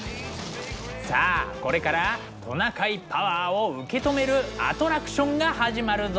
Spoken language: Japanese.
さあこれからトナカイパワーを受け止めるアトラクションが始まるぞ。